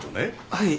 はい。